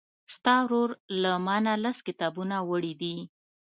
ستا ورور له مانه لس کتابونه وړي دي.